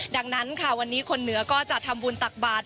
ดังนั้นค่ะวันนี้คนเหนือก็จะทำบุญตักบาท